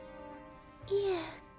いえ。